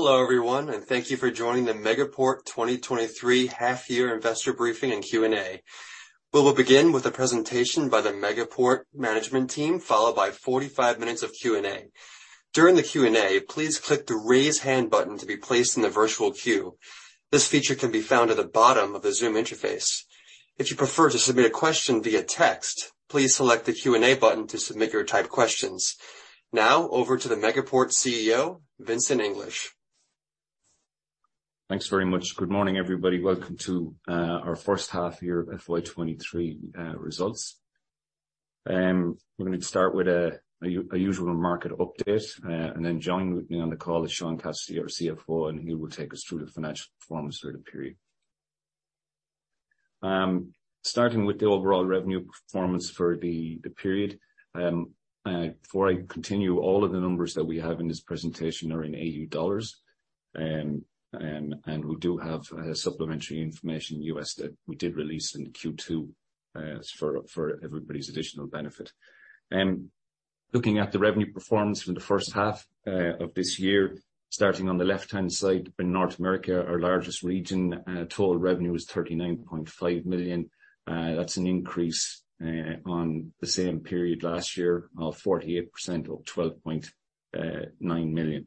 Hello everyone. Thank you for joining the Megaport 2023 half-year investor briefing and Q&A. We will begin with a presentation by the Megaport management team, followed by 45 minutes of Q&A. During the Q&A, please click the Raise Hand button to be placed in the virtual queue. This feature can be found at the bottom of the Zoom interface. If you prefer to submit a question via text, please select the Q&A button to submit your typed questions. Now over to the Megaport CEO, Vincent English. Thanks very much. Good morning, everybody. Welcome to our first half year FY 2023 results. We're gonna start with a usual market update, and then joining me on the call is Sean Cassidy, our CFO, and he will take us through the financial performance for the period. Starting with the overall revenue performance for the period. Before I continue, all of the numbers that we have in this presentation are in AUD, and we do have supplementary information, USD, that we did release in Q2 for everybody's additional benefit. Looking at the revenue performance for the first half of this year, starting on the left-hand side in North America, our largest region, total revenue was 39.5 million. That's an increase on the same period last year of 48% of 12.9 million.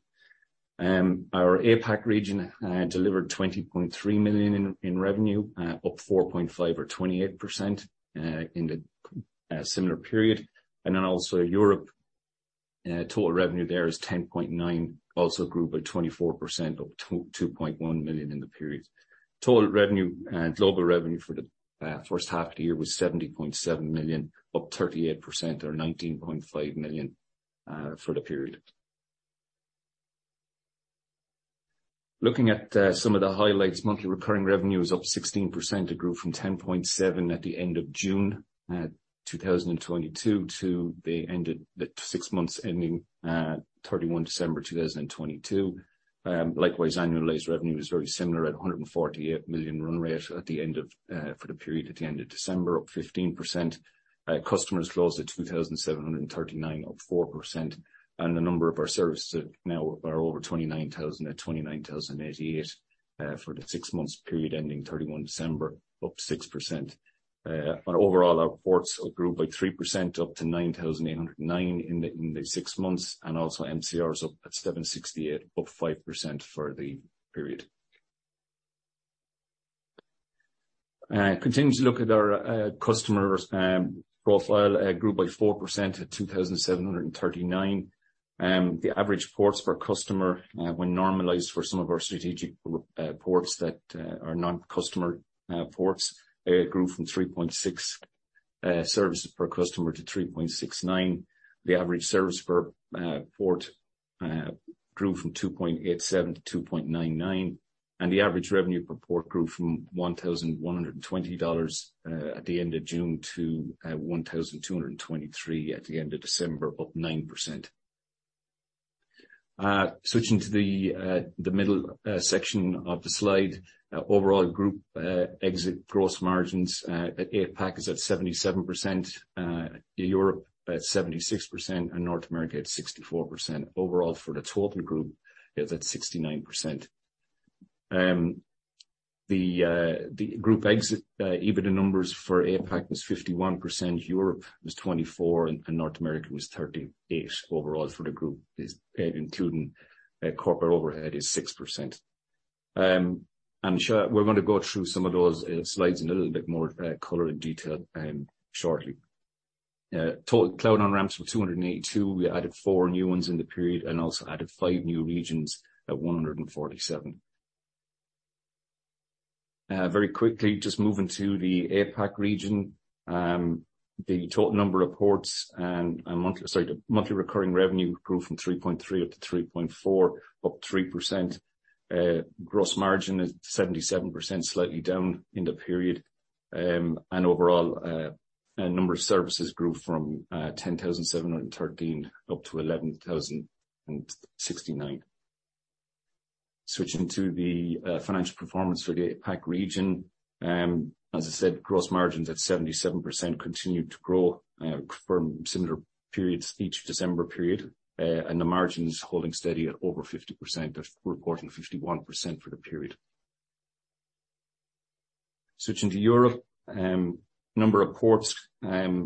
Our APAC region delivered 20.3 million in revenue, up 4.5 or 28% in the similar period. And Europe total revenue there is 10.9 million, also grew by 24%, up 2.1 million in the period. Total global revenue for the first half of the year was 70.7 million, up 38% or 19.5 million for the period. Looking at some of the highlights, monthly recurring revenue is up 16%. It grew from 10.7 million at the end of June 2022 to the end of the 6 months ending 31 December 2022. Likewise, annualized revenue is very similar at 148 million run rate at the end of for the period at the end of December, up 15%. Customers closed at 2,739, up 4%. The number of our services now are over 29,000 at 29,088 for the six months period ending 31 December, up 6%. Overall our ports grew by 3% up to 9,809 in the 6 months, and also MCR is up at 768, up 5% for the period. Continuing to look at our customers profile grew by 4% at 2,739. The average ports per customer, when normalized for some of our strategic ports that are not customer ports, grew from 3.6 services per customer to 3.69. The average service per port grew from 2.87 to 2.99. The average revenue per port grew from 1,120 dollars at the end of June to 1,223 at the end of December, up 9%. Switching to the middle section of the slide, overall group exit gross margins at APAC is at 77%, Europe at 76% and North America at 64%. Overall for the total group is at 69%. The group exit EBITDA numbers for APAC was 51%, Europe was 24%, and North America was 38%. Overall for the group is, including corporate overhead, is 6%. We're going to go through some of those slides in a little bit more color and detail shortly. Total cloud on-ramps were 282. We added 4 new ones in the period and also added 5 new regions at 147. Very quickly, just moving to the APAC region. The total number of ports and monthly, sorry, the monthly recurring revenue grew from 3.3 up to 3.4, up 3%. Gross margin is 77%, slightly down in the period. Overall, number of services grew from 10,713 up to 11,069. Switching to the financial performance for the APAC region. As I said, gross margins at 77% continued to grow from similar periods each December period. The margins holding steady at over 50%. They're reporting 51% for the period. Switching to Europe, number of ports, the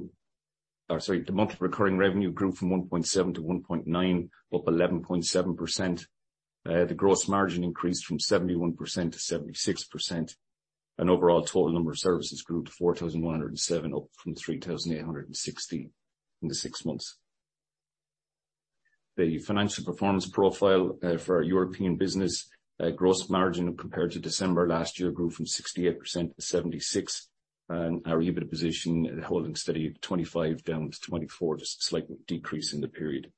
monthly recurring revenue grew from 1.7 million-1.9 million, up 11.7%. The gross margin increased from 71% to 76%. Overall total number of services grew to 4,107, up from 3,860 in the six months. The financial performance profile for our European business, gross margin compared to December last year grew from 68% to 76%. Our EBITDA position holding steady at 25% down to 24%. Just a slight decrease in the period.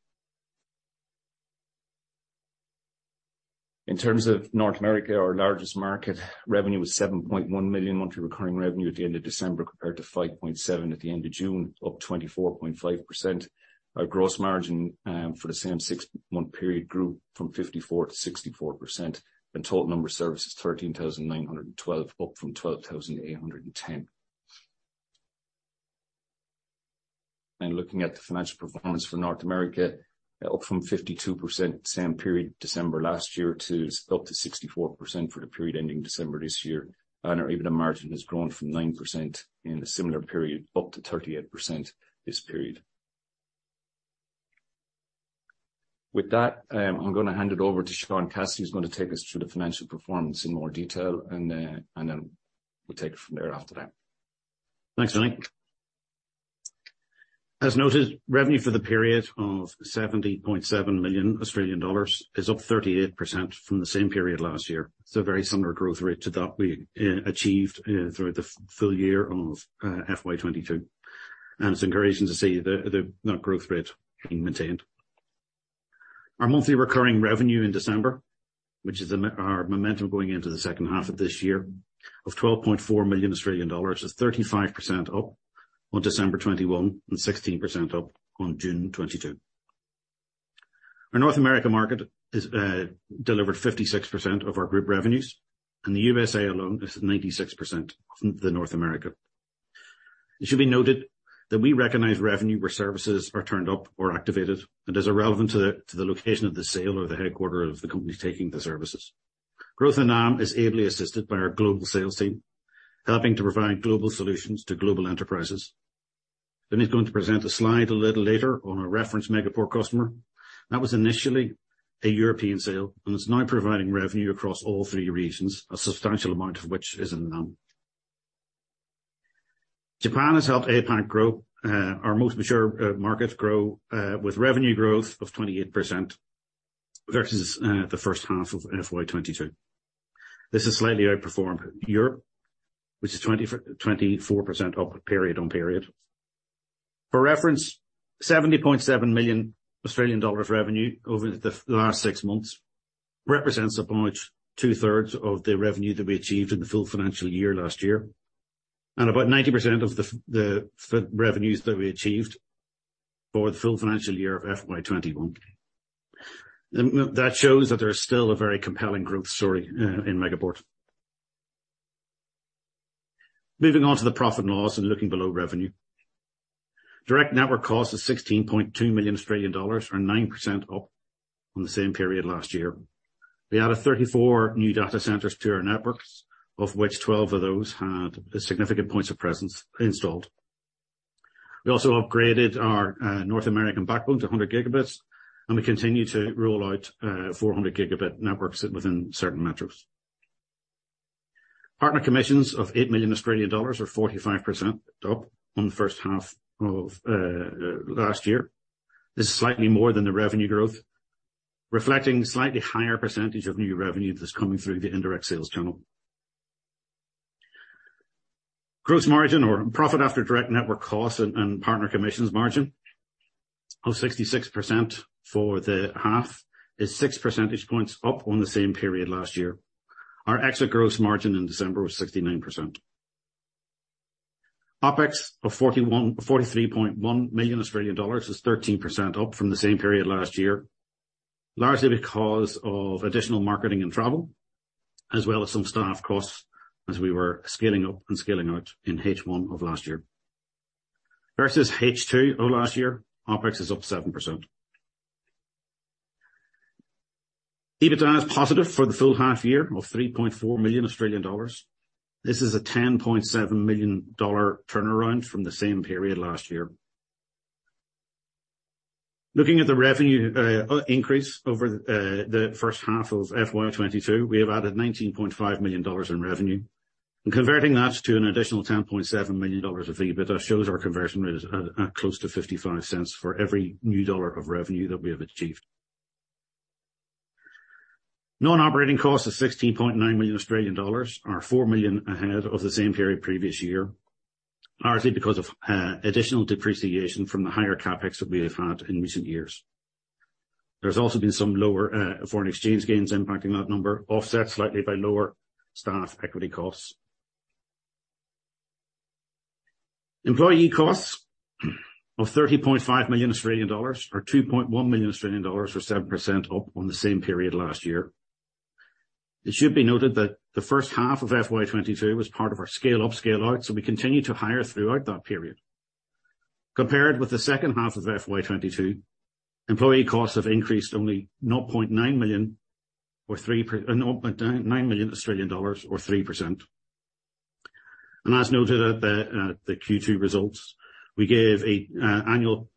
In terms of North America, our largest market, revenue was $7.1 million monthly recurring revenue at the end of December, compared to $5.7 million at the end of June, up 24.5%. Our gross margin for the same six-month period grew from 54% to 64%. Total number of services, 13,912, up from 12,810. Looking at the financial performance for North America, up from 52% same period December last year to up to 64% for the period ending December this year. Our EBITDA margin has grown from 9% in the similar period up to 38% this period. With that, I'm going to hand it over to Sean Cassidy, who's going to take us through the financial performance in more detail, and then we'll take it from there after that. Thanks, Johnny. As noted, revenue for the period of 70.7 million Australian dollars is up 38% from the same period last year. It's a very similar growth rate to that we achieved through the full year of FY 2022. It's encouraging to see the net growth rate being maintained. Our monthly recurring revenue in December, which is our momentum going into the second half of this year of 12.4 million Australian dollars, is 35% up on December 2021 and 16% up on June 2022. Our North America market delivered 56% of our group revenues, the USA alone is 96% of the North America. It should be noted that we recognize revenue where services are turned up or activated and is irrelevant to the location of the sale or the headquarter of the company taking the services. Growth in NAM is ably assisted by our global sales team, helping to provide global solutions to global enterprises. He's going to present a slide a little later on our reference Megaport customer. That was initially a European sale, and it's now providing revenue across all three regions, a substantial amount of which is in NAM. Japan has helped APAC grow, our most mature market grow, with revenue growth of 28% versus the first half of FY 2022. This has slightly outperformed Europe, which is 24% up period on period. For reference, 70.7 million Australian dollars revenue over the last six months represents about two-thirds of the revenue that we achieved in the full financial year last year, and about 90% of the revenues that we achieved for the full financial year of FY 2021. That shows that there's still a very compelling growth story in Megaport. Moving on to the profit and loss and looking below revenue. Direct network cost is 16.2 million Australian dollars or 9% up on the same period last year. We added 34 new data centers to our networks, of which 12 of those had significant points of presence installed. We also upgraded our North American backbone to 100 gigabits, and we continue to roll out 400 gigabit networks within certain metros. Partner commissions of 8 million Australian dollars are 45% up on the first half of last year. This is slightly more than the revenue growth, reflecting slightly higher percentage of new revenue that's coming through the indirect sales channel. Gross margin or profit after direct network costs and partner commissions margin of 66% for the half is six percentage points up on the same period last year. Our exit gross margin in December was 69%. OpEx of 43.1 million Australian dollars is 13% up from the same period last year, largely because of additional marketing and travel, as well as some staff costs as we were scaling up and scaling out in H1 of last year. Versus H2 of last year, OpEx is up 7%. EBITDA is positive for the full half year of 3.4 million Australian dollars. This is a 10.7 million dollar turnaround from the same period last year. Looking at the revenue increase over the first half of FY 2022, we have added 19.5 million dollars in revenue. Converting that to an additional 10.7 million dollars of EBITDA shows our conversion rate is at close to 0.55 for every new dollar of revenue that we have achieved. Non-operating costs of 16.9 million Australian dollars are 4 million ahead of the same period previous year, largely because of additional depreciation from the higher CapEx that we have had in recent years. There's also been some lower foreign exchange gains impacting that number, offset slightly by lower staff equity costs. Employee costs of 30.5 million Australian dollars are 2.1 million Australian dollars or 7% up on the same period last year. It should be noted that the first half of FY 2022 was part of our scale up, scale out, we continued to hire throughout that period. Compared with the second half of FY 2022, employee costs have increased only 0.9 million or 3%. As noted at the Q2 results, we gave an annual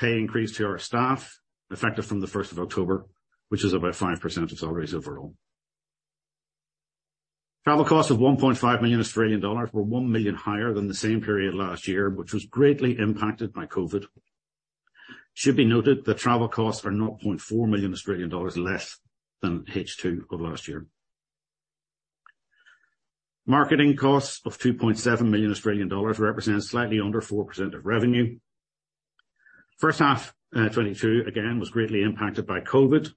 pay increase to our staff, effective from the 1st of October, which is about 5% of salaries overall. Travel costs of 1.5 million Australian dollars were 1 million Australian dollars higher than the same period last year, which was greatly impacted by COVID. It should be noted that travel costs are 0.4 million Australian dollars less than H2 of last year. Marketing costs of 2.7 million Australian dollars represents slightly under 4% of revenue. First half 2022 again, was greatly impacted by COVID,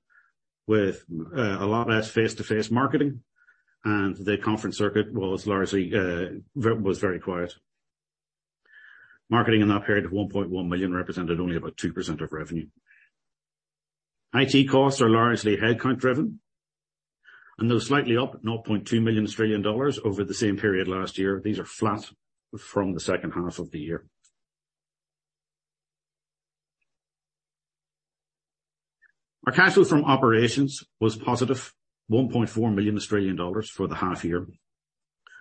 with a lot less face-to-face marketing, and the conference circuit was largely was very quiet. Marketing in that period of 1.1 million represented only about 2% of revenue. IT costs are largely headcount driven, and they're slightly up, 0.2 million Australian dollars over the same period last year. These are flat from the second half of the year. Our cash flow from operations was positive 1.4 million Australian dollars for the half year.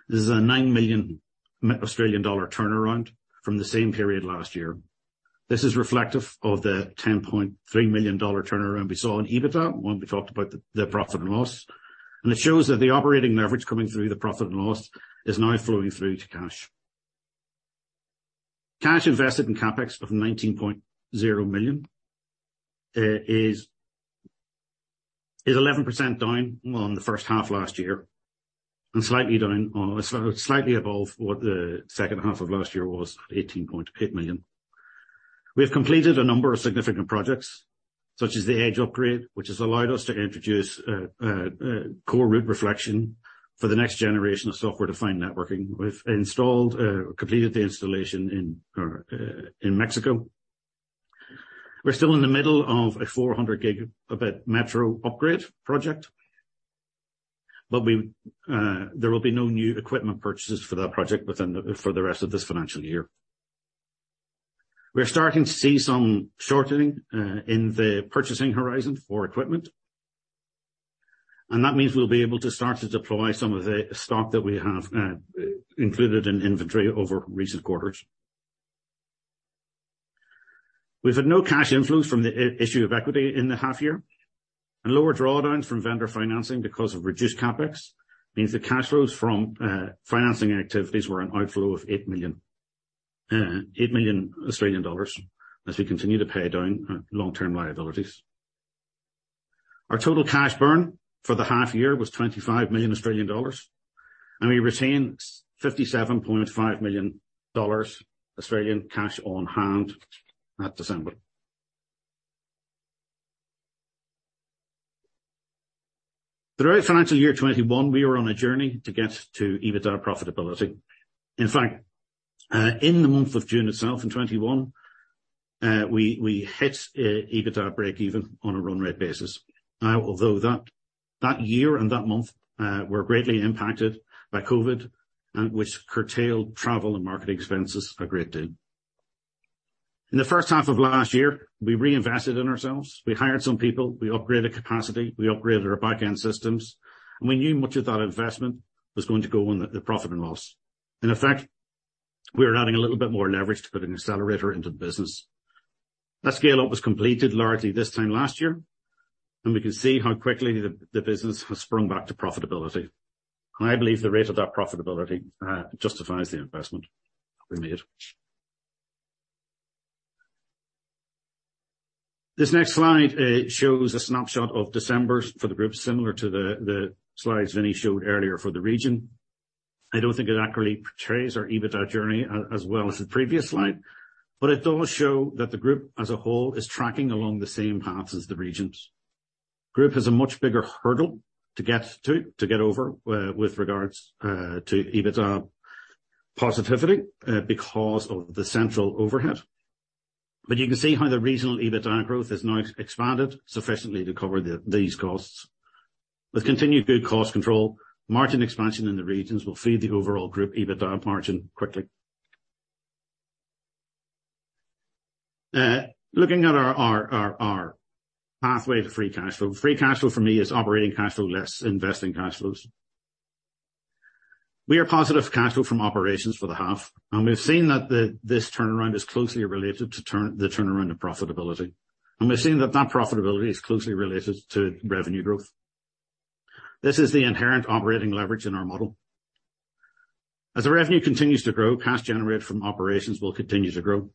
This is a 9 million Australian dollar turnaround from the same period last year. This is reflective of the 10.3 million dollar turnaround we saw in EBITDA, when we talked about the profit and loss. It shows that the operating leverage coming through the profit and loss is now flowing through to cash. Cash invested in CapEx of 19.0 million, is 11% down on the first half last year and slightly above what the second half of last year was, 18.8 million. We have completed a number of significant projects, such as the Edge upgrade, which has allowed us to introduce core route reflection for the next generation of software-defined networking. We've installed, completed the installation in Mexico. We're still in the middle of a 400 gigabit metro upgrade project. We there will be no new equipment purchases for that project for the rest of this financial year. We're starting to see some shortening in the purchasing horizon for equipment. That means we'll be able to start to deploy some of the stock that we have included in inventory over recent quarters. We've had no cash inflows from the issue of equity in the half year. Lower drawdowns from vendor financing because of reduced CapEx means the cash flows from financing activities were an outflow of 8 million Australian dollars as we continue to pay down long-term liabilities. Our total cash burn for the half year was 25 million Australian dollars, we retained 57.5 million dollars cash on hand at December. Throughout financial year 2021, we were on a journey to get to EBITDA profitability. In fact, in the month of June itself in 2021, we hit EBITDA breakeven on a run rate basis. Although that year and that month were greatly impacted by COVID, which curtailed travel and marketing expenses a great deal. In the first half of last year, we reinvested in ourselves. We hired some people, we upgraded capacity, we upgraded our back-end systems, we knew much of that investment was going to go on the profit and loss. In effect, we were adding a little bit more leverage to put an accelerator into the business. That scale-up was completed largely this time last year, and we can see how quickly the business has sprung back to profitability. I believe the rate of that profitability justifies the investment we made. This next slide shows a snapshot of December's for the group similar to the slides Vinny showed earlier for the region. I don't think it accurately portrays our EBITDA journey as well as the previous slide, but it does show that the group as a whole is tracking along the same paths as the regions. Group has a much bigger hurdle to get over with regards to EBITDA positivity because of the central overhead. You can see how the regional EBITDA growth has now expanded sufficiently to cover these costs. With continued good cost control, margin expansion in the regions will feed the overall group EBITDA margin quickly. Looking at our pathway to free cash flow. Free cash flow for me is operating cash flow less investing cash flows. We are positive cash flow from operations for the half, and we've seen that this turnaround is closely related to the turnaround of profitability. We've seen that that profitability is closely related to revenue growth. This is the inherent operating leverage in our model. As the revenue continues to grow, cash generated from operations will continue to grow.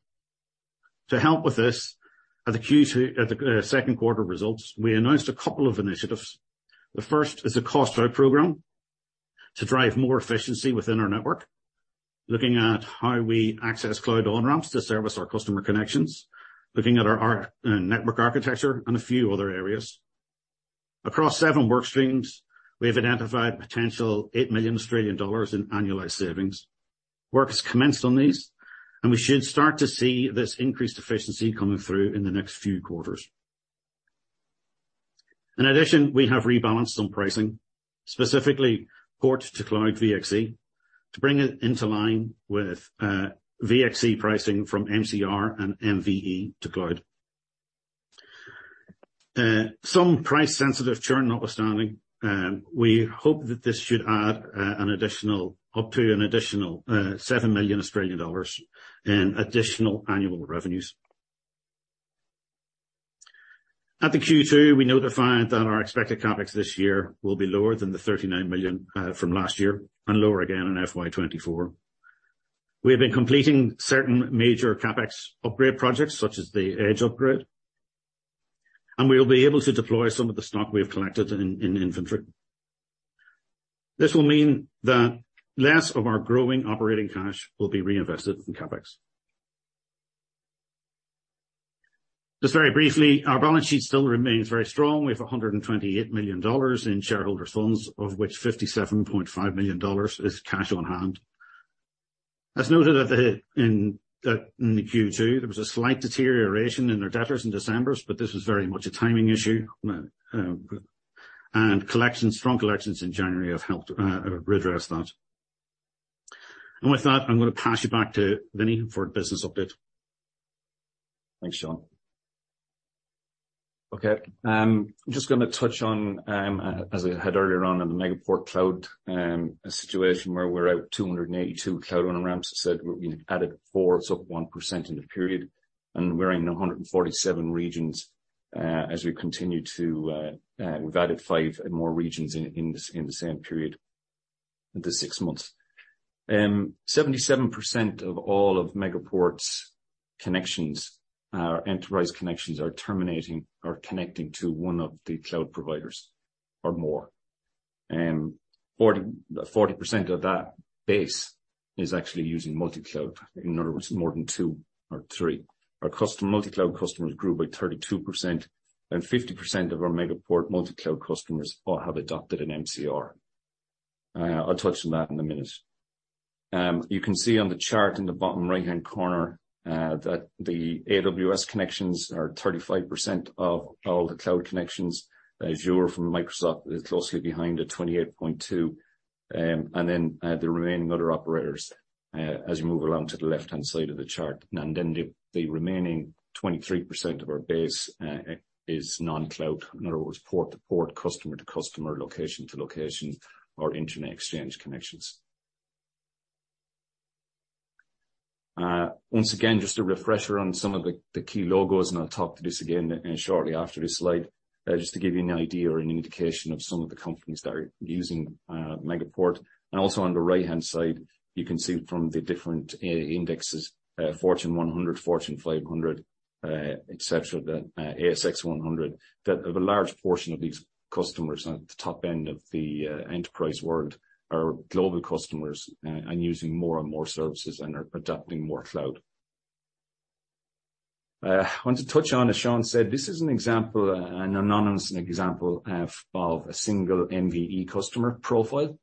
To help with this, at the second quarter results, we announced a couple of initiatives. The first is a cost-out program to drive more efficiency within our network, looking at how we access cloud on-ramps to service our customer connections, looking at our network architecture and a few other areas. Across seven work streams, we have identified potential 8 million Australian dollars in annualized savings. Work has commenced on these. We should start to see this increased efficiency coming through in the next few quarters. In addition, we have rebalanced some pricing, specifically port-to-cloud VXC, to bring it into line with VXC pricing from MCR and MVE to cloud. Some price-sensitive churn notwithstanding, we hope that this should add up to an additional 7 million Australian dollars in additional annual revenues. At the Q2, we notified that our expected CapEx this year will be lower than 39 million from last year and lower again in FY 2024. We have been completing certain major CapEx upgrade projects, such as the Edge upgrade, we will be able to deploy some of the stock we have collected in inventory. This will mean that less of our growing operating cash will be reinvested in CapEx. Just very briefly, our balance sheet still remains very strong. We have 128 million dollars in shareholder funds, of which 57.5 million dollars is cash on hand. As noted in the Q2, there was a slight deterioration in our debtors in December, this was very much a timing issue. Collections, strong collections in January have helped redress that. With that, I'm gonna pass you back to Vincent for a business update. Thanks, Sean. Okay. I'm just gonna touch on, as I had earlier on in the Megaport cloud situation where we're at 282 cloud on-ramps. As I said, we've added four, so up 1% in the period, and we're in 147 regions, as we continue to, we've added five more regions in the same period, the six months. 77% of all of Megaport's connections, our enterprise connections, are terminating or connecting to one of the cloud providers or more. 40% of that base is actually using multi-cloud. In other words, more than two or three. Our multi-cloud customers grew by 32%, and 50% of our Megaport multi-cloud customers all have adopted an MCR. I'll touch on that in a minute. You can see on the chart in the bottom right-hand corner that the AWS connections are 35% of all the cloud connections. Azure from Microsoft is closely behind at 28.2. The remaining other operators as you move along to the left-hand side of the chart. The remaining 23% of our base is non-cloud. In other words, port to port, customer to customer, location to location or internet exchange connections. Once again, just a refresher on some of the key logos, and I'll talk to this again shortly after this slide. Just to give you an idea or an indication of some of the companies that are using Megaport. Also on the right-hand side, you can see from the different indexes, Fortune 100, Fortune 500, et cetera, the ASX 100, that a large portion of these customers at the top end of the enterprise world are global customers, and using more and more services and are adopting more cloud. I want to touch on, as Sean said, this is an example, an anonymous example of a single MVE customer profile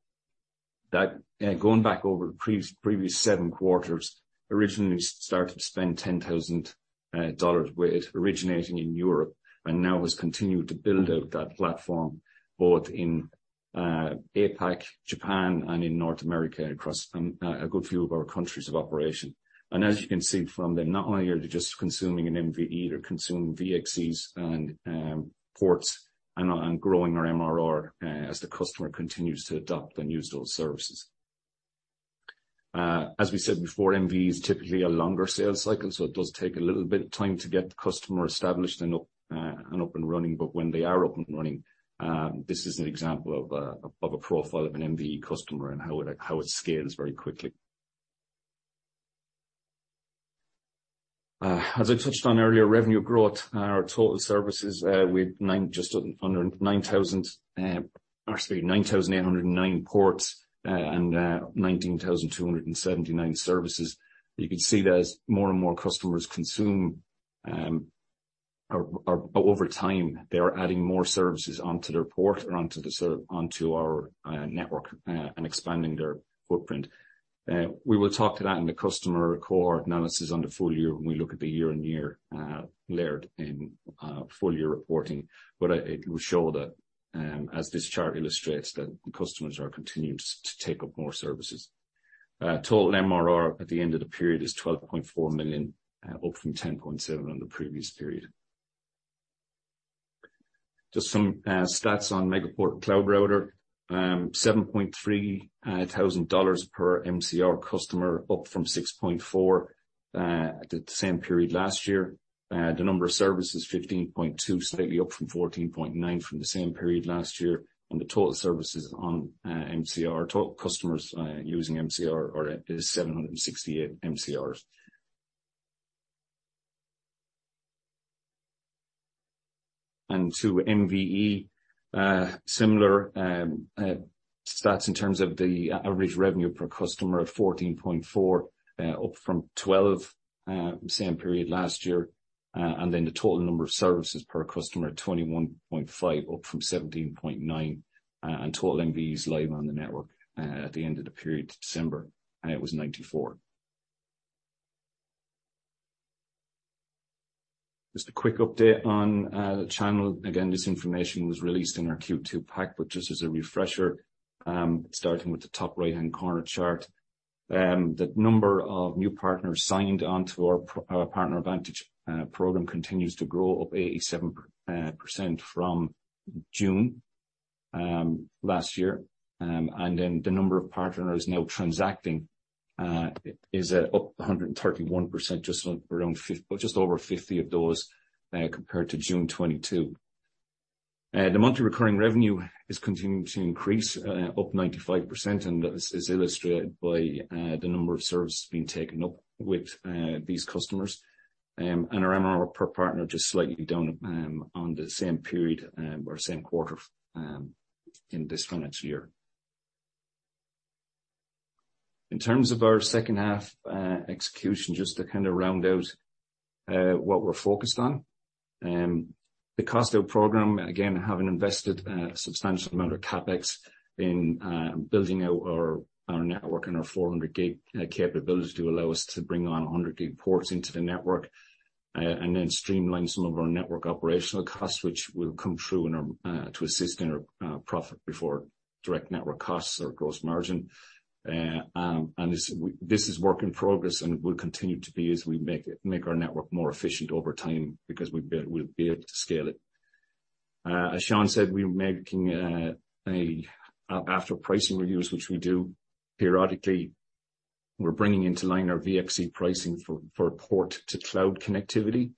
that, going back over previous seven quarters, originally started to spend 10,000 dollars with originating in Europe, and now has continued to build out that platform both in APAC, Japan, and in North America across a good few of our countries of operation. As you can see from them, not only are they just consuming an MVE, they're consuming VXCs and ports and growing our MRR as the customer continues to adopt and use those services. As we said before, MVE is typically a longer sales cycle, so it does take a little bit of time to get the customer established and up and running. When they are up and running, this is an example of a profile of an MVE customer and how it scales very quickly. As I touched on earlier, revenue growth. Our total services, we have just under 9,809 ports and 19,279 services. You can see that as more and more customers consume, or over time, they are adding more services onto their port or onto our network and expanding their footprint. We will talk to that in the customer cohort analysis on the full year when we look at the year-and-year, layered in full year reporting. It will show that, as this chart illustrates, that customers are continuing to take up more services. Total MRR at the end of the period is 12.4 million, up from 10.7 million in the previous period. Just some stats on Megaport Cloud Router. 7,300 dollars per MCR customer, up from 6,400 at the same period last year. The number of services, 15.2, slightly up from 14.9 from the same period last year. The total services on MCR, total customers using MCR is 768 MCRs. To MVE, similar stats in terms of the average revenue per customer of 14.4, up from 12 same period last year. The total number of services per customer, 21.5, up from 17.9. Total MVEs live on the network at the end of the period, December, and it was 94. Just a quick update on the channel. Again, this information was released in our Q2 pack, but just as a refresher, starting with the top right-hand corner chart. The number of new partners signed onto our PartnerVantage program continues to grow up 87% from June last year. The number of partners now transacting is up 131%, just around just over 50 of those, compared to June 2022. The monthly recurring revenue is continuing to increase, up 95%, and that is illustrated by the number of services being taken up with these customers. Our MRR per partner just slightly down on the same period, or same quarter, in this financial year. In terms of our second half execution, just to kind of round out what we're focused on. The cost out program, again, having invested a substantial amount of CapEx in building out our network and our 400 gig capability to allow us to bring on 100 gig ports into the network, and then streamline some of our network operational costs, which will come through in our to assist in our profit before direct network costs or gross margin. This is work in progress, and it will continue to be as we make our network more efficient over time because we'll be able to scale it. As Sean said, we're making after pricing reviews, which we do periodically, we're bringing into line our VXC pricing for port-to-cloud connectivity.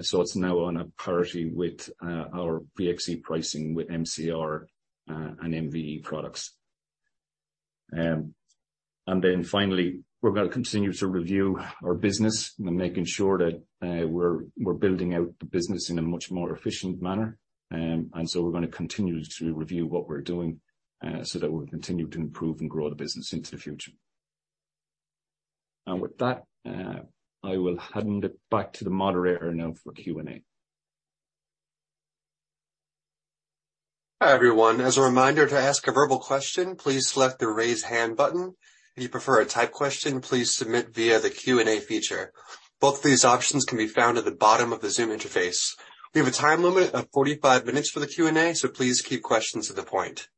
So it's now on a parity with our VXC pricing with MCR and MVE products. Finally, we're gonna continue to review our business and making sure that we're building out the business in a much more efficient manner. We're gonna continue to review what we're doing so that we'll continue to improve and grow the business into the future. With that, I will hand it back to the moderator now for Q&A. Hi, everyone. As a reminder to ask a verbal question, please select the Raise Hand button. If you prefer a type question, please submit via the Q&A feature. Both of these options can be found at the bottom of the Zoom interface. We have a time limit of 45 minutes for the Q&A, so please keep questions to the point.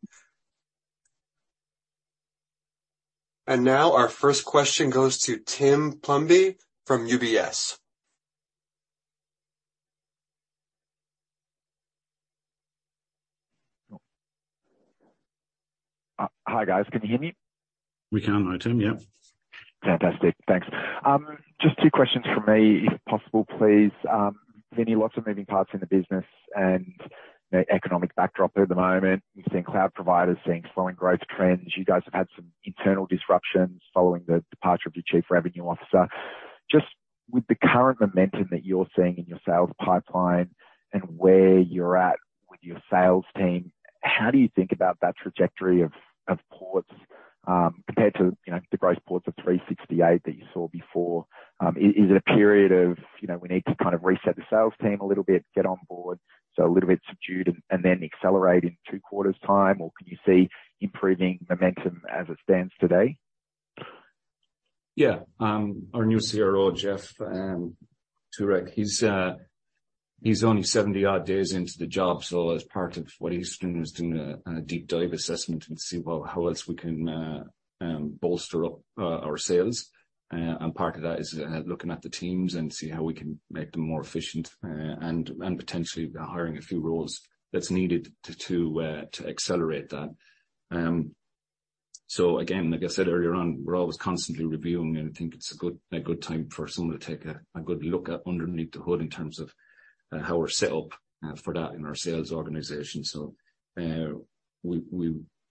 Now our first question goes to Tim Plumbe from UBS. Hi, guys. Can you hear me? We can now, Tim. Yep. Fantastic. Thanks. Just two questions from me, if possible, please. Many lots of moving parts in the business and the economic backdrop at the moment. We've seen cloud providers seeing slowing growth trends. You guys have had some internal disruptions following the departure of your chief revenue officer. Just with the current momentum that you're seeing in your sales pipeline and where you're at with your sales team, how do you think about that trajectory of ports compared to, you know, the growth ports of 368 that you saw before? Is it a period of, you know, we need to kind of reset the sales team a little bit, get on board, so a little bit subdued and then accelerate in two quarters time? Or can you see improving momentum as it stands today? Yeah. Our new CRO, Jeff Turek, he's only 70 odd days into the job. As part of what he's doing, he's doing a deep dive assessment and see how else we can bolster up our sales. Part of that is looking at the teams and see how we can make them more efficient, and potentially hiring a few roles that's needed to accelerate that. Again, like I said earlier on, we're always constantly reviewing, and I think it's a good time for someone to take a good look at underneath the hood in terms of how we're set up for that in our sales organization.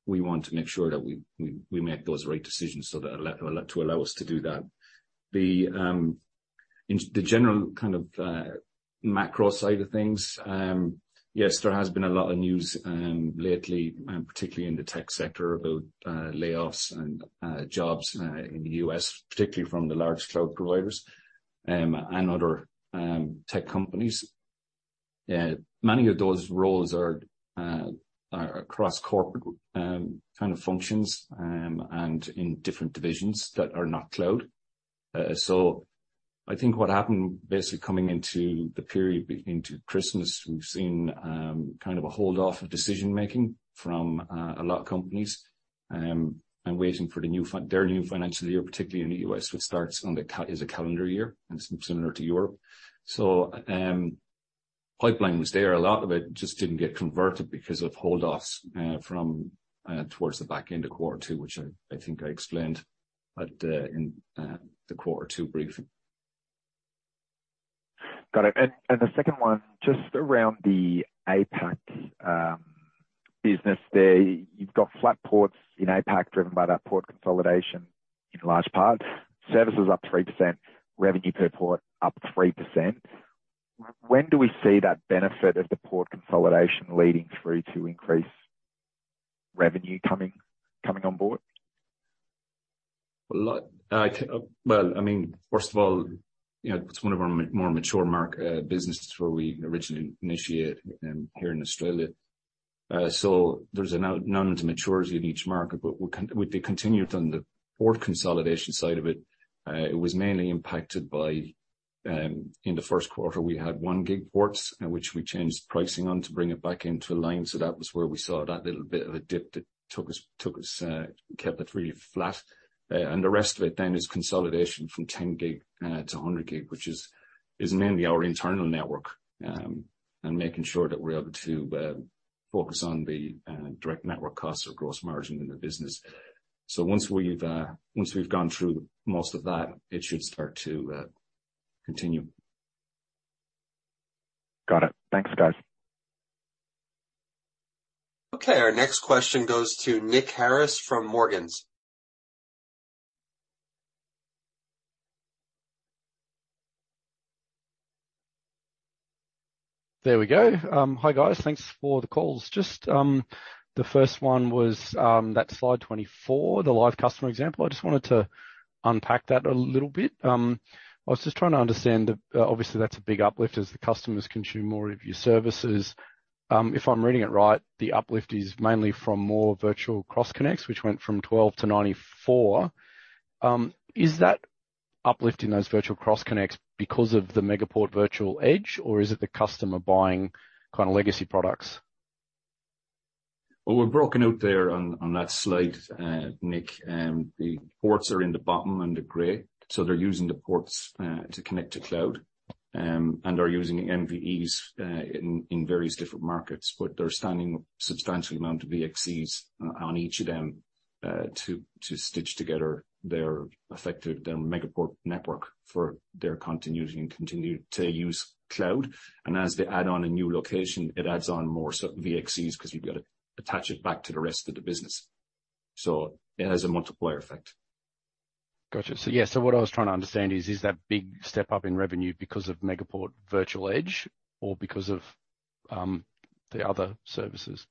We want to make sure that we make those right decisions so that to allow us to do that. The in the general kind of macro side of things, yes, there has been a lot of news lately, particularly in the tech sector about layoffs and jobs in the U.S., particularly from the large cloud providers and other tech companies. Many of those roles are across corporate kind of functions and in different divisions that are not cloud. I think what happened basically coming into the period into Christmas, we've seen kind of a hold off of decision-making from a lot of companies and waiting for their new financial year, particularly in the U.S., which starts on the is a calendar year and similar to Europe. Pipeline was there. A lot of it just didn't get converted because of hold offs from towards the back end of quarter two, which I think I explained at in the quarter two briefing. Got it. The second one, just around the APAC business there. You've got flat ports in APAC driven by that port consolidation in large part. Service was up 3%, revenue per port up 3%. When do we see that benefit of the port consolidation leading through to increased revenue coming on board? I mean, first of all, it's one of our more mature businesses where we originally initiate here in Australia. There's a now known to maturity in each market, but we with the continued on the port consolidation side of it was mainly impacted by in the first quarter, we had 1 gig ports in which we changed pricing on to bring it back into line. That was where we saw that little bit of a dip that took us kept it really flat. The rest of it is consolidation from 10 gig to 100 gig, which is mainly our internal network, and making sure that we're able to focus on the direct network costs or gross margin in the business. Once we've gone through most of that, it should start to continue. Got it. Thanks, guys. Okay. Our next question goes to Nick Harris from Morgans. There we go. Hi guys. Thanks for the calls. Just, the first one was that slide 24, the live customer example. I just wanted to unpack that a little bit. I was just trying to understand that, obviously, that's a big uplift as the customers consume more of your services. If I'm reading it right, the uplift is mainly from more Virtual Cross Connects, which went from 12 to 94. Is that uplift in those Virtual Cross Connects because of the Megaport Virtual Edge, or is it the customer buying kind of legacy products? We're broken out there on that slide, Nick. The ports are in the bottom under gray. They're using the ports to connect to cloud, and are using MVEs in various different markets. They're standing a substantial amount of VXCs on each of them to stitch together their effective, their Megaport network for their continuity and continue to use cloud. As they add on a new location, it adds on more certain VXCs because we've got to attach it back to the rest of the business. It has a multiplier effect. Got you. What I was trying to understand is that big step up in revenue because of Megaport Virtual Edge or because of the other services?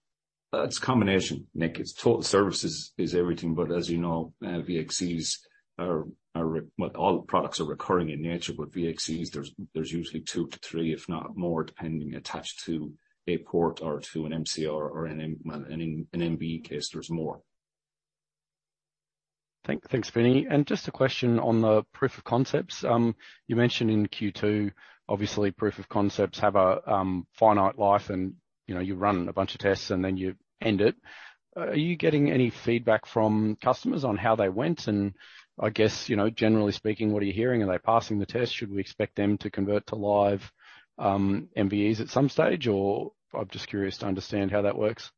It's a combination, Nick. It's total services is everything. As you know, VXCs are well, all products are recurring in nature, but VXCs, there's usually two to three, if not more, depending, attached to a port or to an MCR or well, in an MVE case, there's more. Thanks, Vincent. Just a question on the proof of concepts. You mentioned in Q2, obviously, proof of concepts have a finite life, and, you know, you run a bunch of tests, and then you end it. Are you getting any feedback from customers on how they went? I guess, you know, generally speaking, what are you hearing? Are they passing the test? Should we expect them to convert to live MVEs at some stage? I'm just curious to understand how that works.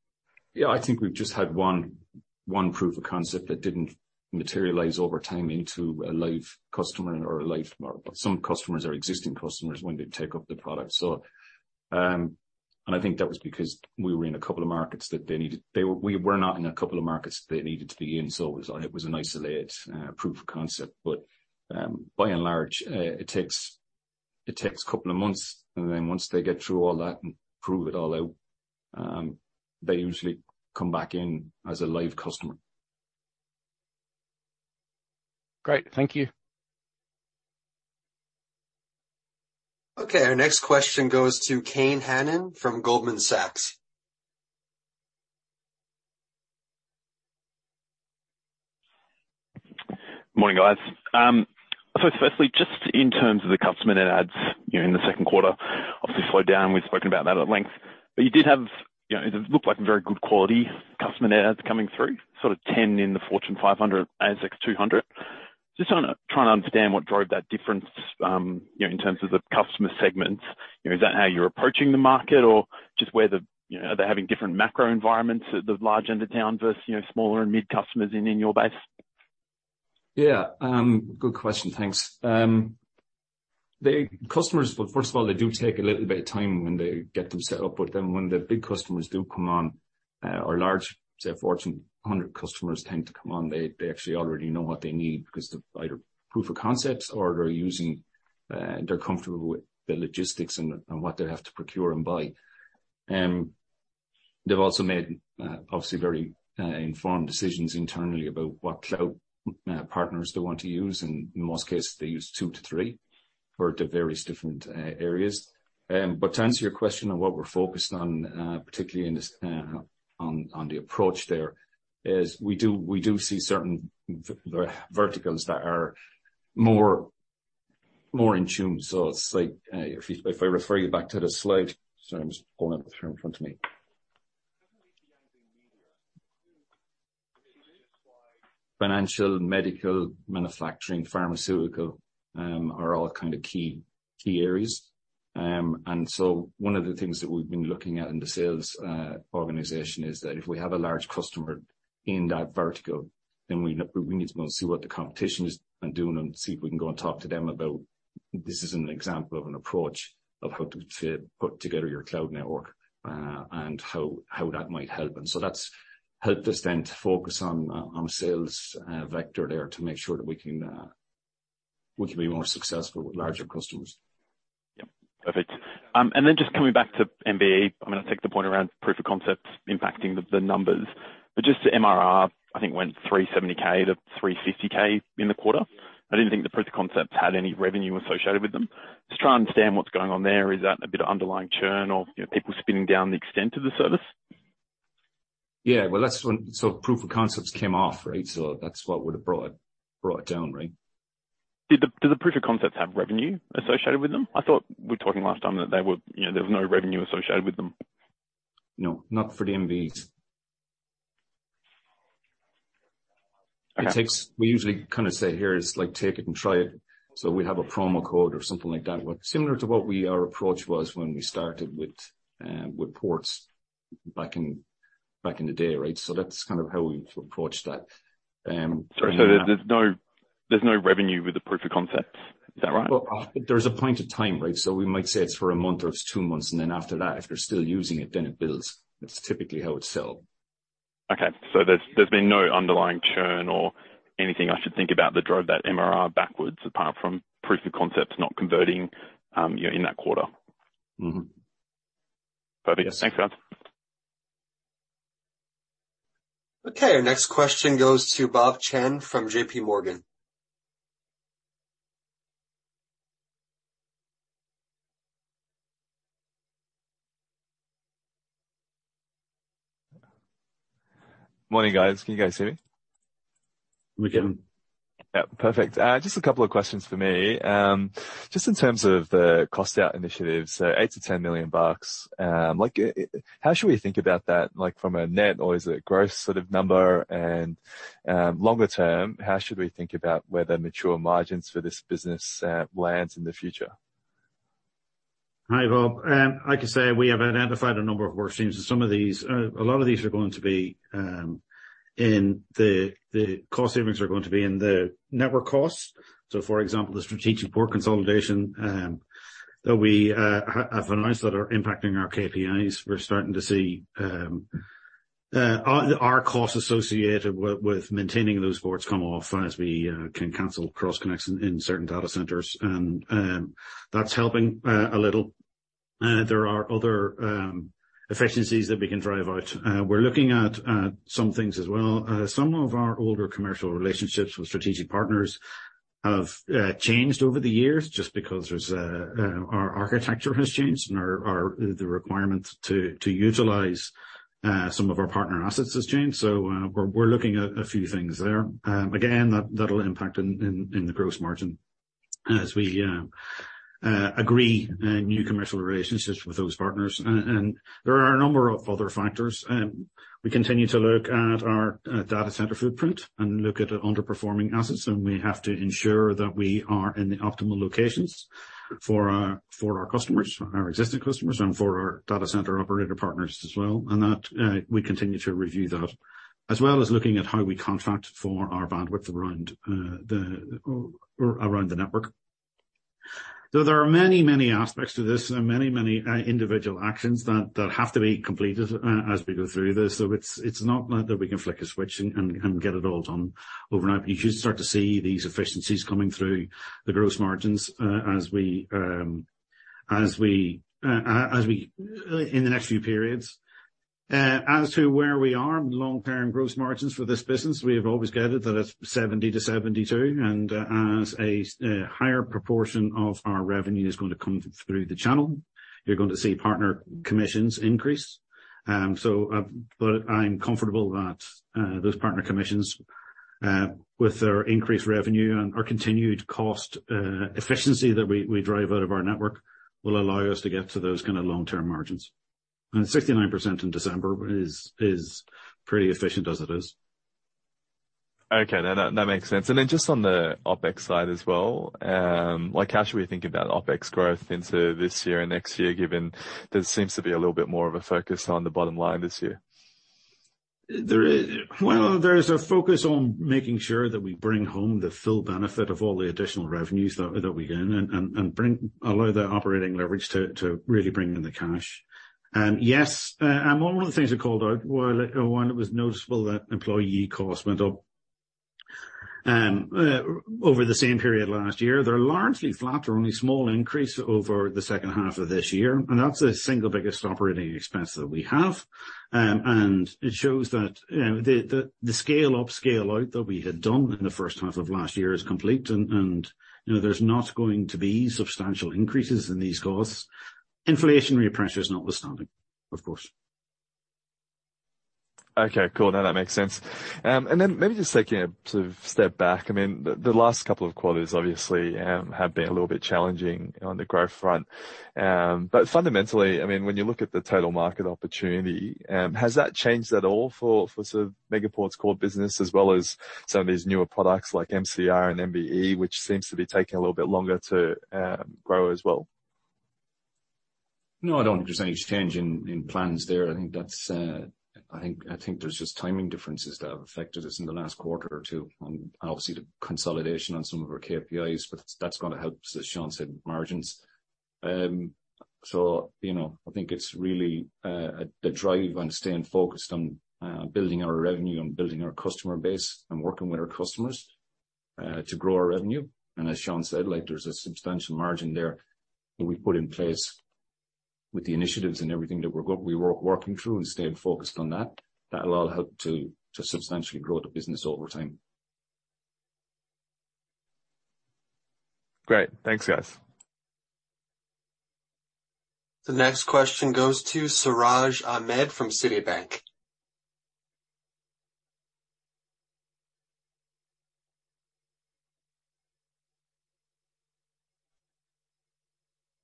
Yeah. I think we've just had one proof of concept that didn't materialize over time into a live customer or a live environment. Some customers are existing customers when they take up the product. I think that was because we were not in a couple of markets they needed to be in, so it was an isolated proof of concept. By and large, it takes a couple of months. Then once they get through all that and prove it all out, they usually come back in as a live customer. Great. Thank you. Okay, our next question goes to Kane Hannan from Goldman Sachs. Morning, guys. Firstly, just in terms of the customer net adds during the second quarter, obviously slowed down. We've spoken about that at length. You did have, you know, it looked like very good quality customer adds coming through, sort of 10 in the Fortune 500, ASX 200. Just trying to understand what drove that difference, you know, in terms of the customer segments. You know, is that how you're approaching the market or just where the, you know, are they having different macro environments at the large end of town versus, you know, smaller and mid customers in your base? Yeah. Good question. Thanks. The customers, well, first of all, they do take a little bit of time when they get themselves up. When the big customers do come on, or large, say, Fortune 100 customers tend to come on, they actually already know what they need because they're either proof of concepts or they're using, they're comfortable with the logistics and what they have to procure and buy. They've also made, obviously very informed decisions internally about what cloud partners they want to use. In most cases, they use two to three for the various different areas. To answer your question on what we're focused on, particularly in this, on the approach there is we do see certain verticals that are more in tune. It's like, if I refer you back to the slide. Sorry, I'm just pulling up here in front of me. Definitely behind the media. Financial, medical, manufacturing, pharmaceutical, are all kind of key areas. One of the things that we've been looking at in the sales organization is that if we have a large customer in that vertical, then we need to go and see what the competition is and doing and see if we can go and talk to them about this is an example of an approach of how to put together your cloud network, and how that might help. That's helped us then to focus on a sales vector there to make sure that we can, we can be more successful with larger customers. Perfect. Then just coming back to MVE, I'm gonna take the point around proof of concepts impacting the numbers. Just the MRR, I think went 370K to 350K in the quarter. I didn't think the proof of concepts had any revenue associated with them. Just trying to understand what's going on there. Is that a bit of underlying churn or, you know, people spinning down the extent of the service? Yeah. Well, that's when sort of proof of concepts came off, right? That's what would have brought it down, right? Do the proof of concepts have revenue associated with them? I thought we were talking last time that they were, you know, there was no revenue associated with them. No, not for the MVEs. Okay. We usually kind of say, "Here's like take it and try it." We have a promo code or something like that. Similar to what we are approach was when we started with ports back in, back in the day, right? That's kind of how we approach that. Sorry. There's no revenue with the proof of concept, is that right? Well, there's a point of time, right? We might say it's for a month or it's two months, and then after that, if they're still using it, then it builds. That's typically how it's sold. There's been no underlying churn or anything I should think about that drove that MRR backwards apart from proof of concepts not converting, you know, in that quarter? Mm-hmm. Perfect. Thanks, guys. Okay. Our next question goes to Bob Chen from JPMorgan. Morning, guys. Can you guys hear me? We can. Yeah. Perfect. Just a couple of questions for me. Just in terms of the cost out initiatives, so 8 million-10 million bucks, like how should we think about that, like from a net or is it a gross sort of number and, longer term, how should we think about where the mature margins for this business, lands in the future? Hi, Bob. I can say we have identified a number of work streams and some of these, a lot of these are going to be in the cost savings are going to be in the network costs. For example, the strategic port consolidation that we have announced that are impacting our KPIs, we're starting to see our costs associated with maintaining those ports come off as we can cancel cross connections in certain data centers. That's helping a little. There are other efficiencies that we can drive out. We're looking at some things as well. Some of our older commercial relationships with strategic partners have changed over the years just because there's a, our architecture has changed and our, the requirement to utilize some of our partner assets has changed. We're looking at a few things there. Again, that'll impact in the gross margin as we agree new commercial relationships with those partners. There are a number of other factors. We continue to look at our data center footprint and look at underperforming assets, and we have to ensure that we are in the optimal locations for our customers, our existing customers, and for our data center operator partners as well. That, we continue to review that, as well as looking at how we contract for our bandwidth around the network. There are many, many aspects to this and many, many individual actions that have to be completed, as we go through this. It's not like that we can flick a switch and get it all done overnight. You should start to see these efficiencies coming through the gross margins, as we in the next few periods. As to where we are, long-term gross margins for this business, we have always guided that it's 70%-72%, and as a higher proportion of our revenue is going to come through the channel, you're going to see partner commissions increase. I'm comfortable that those partner commissions, with their increased revenue and our continued cost efficiency that we drive out of our network will allow us to get to those kinda long-term margins. 69% in December is pretty efficient as it is. Okay. That makes sense. Then just on the OpEx side as well, like, how should we think about OpEx growth into this year and next year, given there seems to be a little bit more of a focus on the bottom line this year? Well, there's a focus on making sure that we bring home the full benefit of all the additional revenues that we gain and allow that operating leverage to really bring in the cash. Yes, and one of the things I called out was one that was noticeable, that employee costs went up over the same period last year. They're largely flat or only small increase over the second half of this year. That's the single biggest OpEx that we have. It shows that, you know, the scale up, scale out that we had done in the first half of last year is complete and, you know, there's not going to be substantial increases in these costs. Inflationary pressures notwithstanding, of course. Okay, cool. Now that makes sense. Maybe just taking a sort of step back. The last couple of quarters obviously, have been a little bit challenging on the growth front. Fundamentally, when you look at the total market opportunity, has that changed at all for sort of Megaport's core business as well as some of these newer products like MCR and MVE, which seems to be taking a little bit longer to, grow as well? No, I don't think there's any change in plans there. I think there's just timing differences that have affected us in the last quarter or two. Obviously the consolidation on some of our KPIs, but that's gonna help, as Sean said, margins. You know, I think it's really the drive on staying focused on building our revenue and building our customer base and working with our customers to grow our revenue. As Sean said, like there's a substantial margin there that we've put in place with the initiatives and everything that we're working through and staying focused on that. That'll all help to substantially grow the business over time. Great. Thanks, guys. The next question goes to Siraj Ahmed from Citi.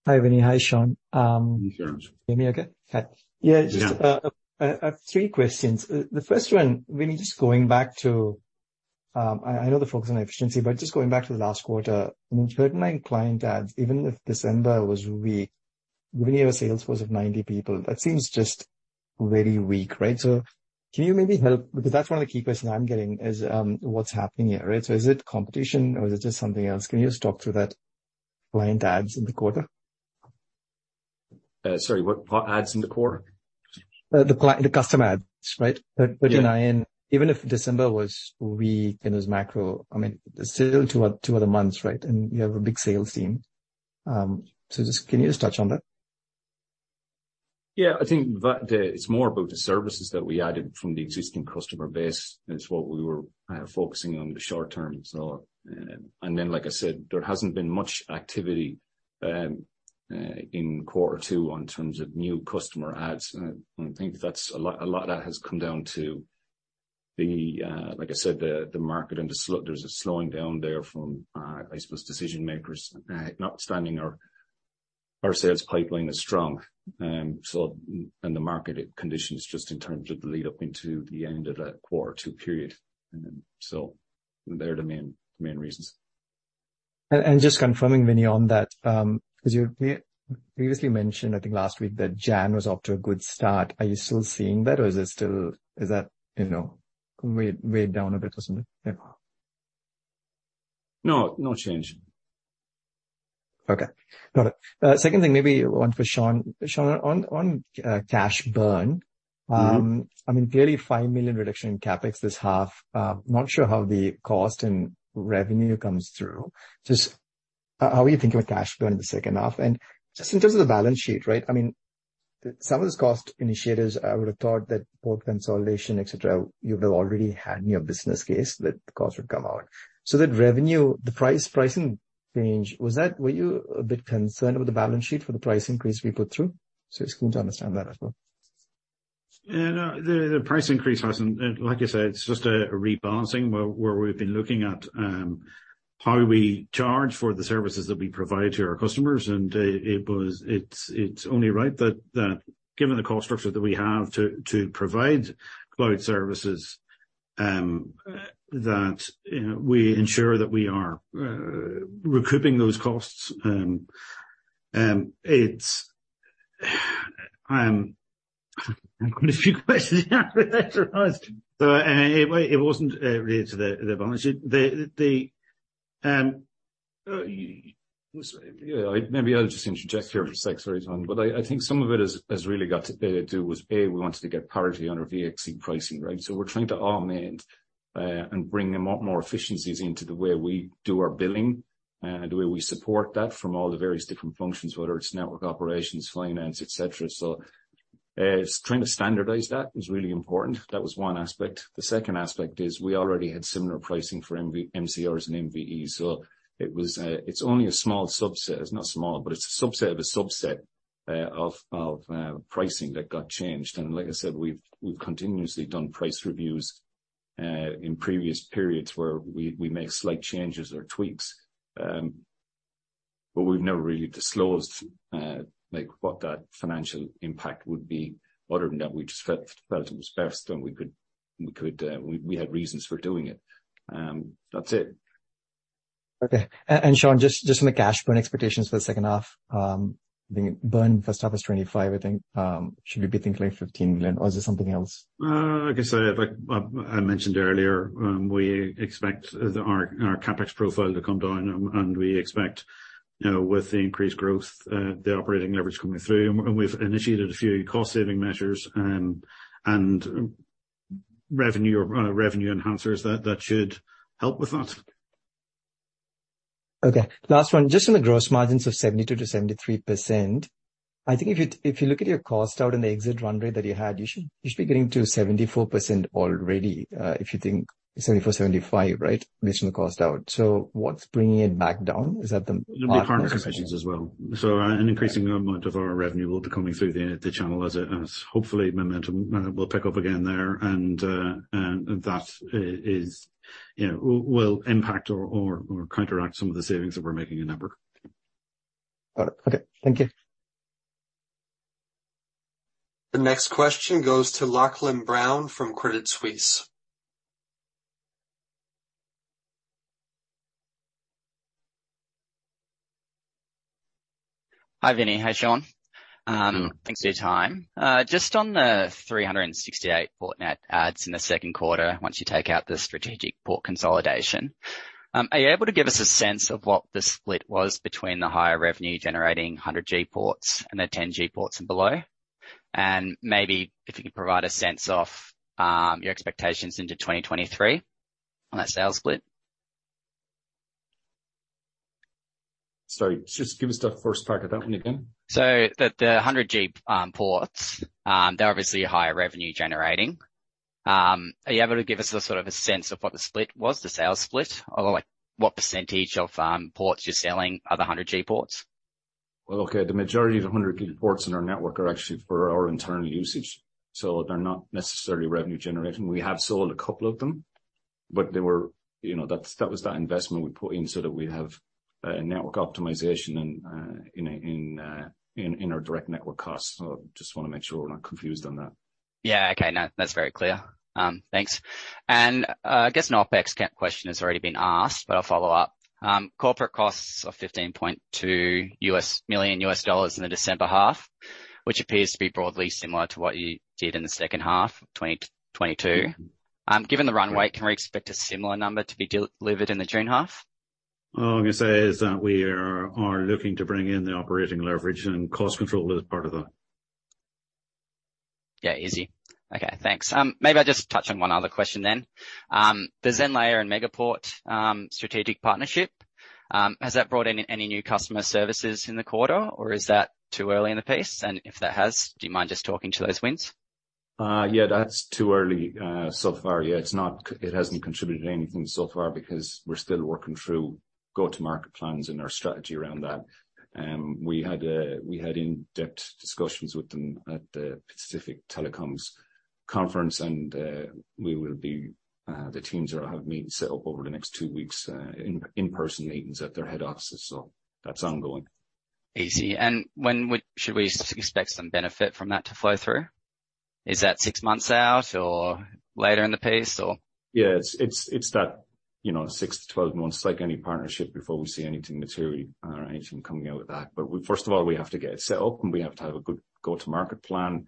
Hi, Vincent. Hi, Sean. Hi, Siraj. Can you hear me okay? Okay. Yeah. Yeah. Just, I've three questions. The first one, Vincent, just going back to, I know the focus on efficiency, but just going back to the last quarter, I mean, 39 client adds even if December was weak, given you have a sales force of 90 people, that seems just very weak, right? Can you maybe help? Because that's one of the key questions I'm getting, is, what's happening here, right? Is it competition or is it just something else? Can you just talk through that client adds in the quarter? Sorry, what? What adds in the core? The client, the customer adds, right? Yeah. You know, even if December was weak in its macro, I mean, there's still two other months, right? You have a big sales team. Just can you just touch on that? Yeah. I think that it's more about the services that we added from the existing customer base. That's what we were focusing on in the short term. Like I said, there hasn't been much activity in quarter two in terms of new customer adds. I think that's a lot of that has come down to the, like I said, the market, and there's a slowing down there from I suppose, decision-makers. Notwithstanding, our sales pipeline is strong. The market conditions just in terms of the lead up into the end of that quarter two period. They're the main reasons. Just confirming, Vincent, on that, 'cause you previously mentioned, I think last week that Jan was off to a good start. Are you still seeing that or is that, you know, weighed down a bit or something? Yeah. No. No change. Okay. Got it. second thing, maybe one for Sean. Sean, on cash burn. Mm-hmm. I mean, clearly 5 million reduction in CapEx this half. Not sure how the cost and revenue comes through. Just how are you thinking of cash burn in the second half? Just in terms of the balance sheet, right? I mean, some of this cost initiatives, I would have thought that port consolidation, et cetera, you would have already had in your business case that the cost would come out. That revenue, the price, pricing change, were you a bit concerned with the balance sheet for the price increase you put through? Just want to understand that as well. Yeah. No. The price increase hasn't... like I said, it's just a rebalancing where we've been looking at how we charge for the services that we provide to our customers. It's only right that given the cost structure that we have to provide cloud services, that, you know, we ensure that we are recouping those costs. It's quite a few questions after that arise. It wasn't related to the balance sheet. Yeah. Maybe I'll just interject here for a sec. Sorry, Sean. I think some of it is really got to do with, A, we wanted to get parity on our VXC pricing, right? We're trying to amend, and bring a lot more efficiencies into the way we do our billing, the way we support that from all the various different functions, whether it's network operations, finance, et cetera. Trying to standardize that is really important. That was one aspect. The second aspect is we already had similar pricing for MCRs and MVEs. It was, it's only a small subset. It's not small, but it's a subset of a subset, of pricing that got changed. Like I said, we've continuously done price reviews, in previous periods where we make slight changes or tweaks. We've never really disclosed, like, what that financial impact would be other than that we just felt it was best and we could we had reasons for doing it. That's it. Okay. Sean, just on the cash burn expectations for the second half, I think burn first half was 25 million, I think. Should we be thinking like 15 million or is there something else? Like I said, like I mentioned earlier, we expect our CapEx profile to come down and we expect, you know, with the increased growth, the operating leverage coming through. We've initiated a few cost saving measures, and revenue or revenue enhancers that should help with that. Okay. Last one. Just on the gross margins of 72%-73%, I think if you look at your cost out in the exit run rate that you had, you should be getting to 74% already, if you think 74, 75, right? Based on the cost out. What's bringing it back down? Is that? There'll be partner concessions as well. An increasing amount of our revenue will be coming through the channel as hopefully momentum will pick up again there and that is, you know, will impact or counteract some of the savings that we're making in network. Got it. Okay. Thank you. The next question goes to Lachlan Brown from Credit Suisse. Hi, Vincent. Hi, Sean. Hello. Thanks for your time. Just on the 368 port net adds in the second quarter, once you take out the strategic port consolidation, are you able to give us a sense of what the split was between the higher revenue generating 100 G ports and the 10 G ports and below? Maybe if you could provide a sense of your expectations into 2023 on that sales split? Sorry. Just give us the first part of that one again. The, the 100G ports, they're obviously higher revenue generating. Are you able to give us a sort of a sense of what the split was, the sales split? Or like what % of ports you're selling are the 100G ports? Well, okay. The majority of the 100 G ports in our network are actually for our internal usage, so they're not necessarily revenue generating. We have sold a couple of them, but they were, you know, that was that investment we put in so that we have network optimization and in our direct network costs. Just wanna make sure we're not confused on that. Yeah. Okay. No. That's very clear. thanks. I guess an OpEx question has already been asked, but I'll follow up. corporate costs of $15.2 million in the December half, which appears to be broadly similar to what you did in the second half of 2022. given the runway, can we expect a similar number to be de-delivered in the June half? All I'm gonna say is that we are looking to bring in the operating leverage and cost control as part of that. Yeah, easy. Okay, thanks. Maybe I'll just touch on one other question then. The Zenlayer and Megaport strategic partnership, has that brought in any new customer services in the quarter, or is that too early in the piece? If that has, do you mind just talking to those wins? Yeah. That's too early. So far, yeah. It hasn't contributed anything so far because we're still working through go-to-market plans and our strategy around that. We had in-depth discussions with them at the Pacific Telecoms Conference. The teams will have meetings set up over the next two weeks in-person meetings at their head offices, so that's ongoing. Easy. When should we expect some benefit from that to flow through? Is that six months out or later in the piece or? Yeah. It's that, you know, 6-12 months, like any partnership before we see anything materially or anything coming out with that. First of all, we have to get it set up, and we have to have a good go-to-market plan.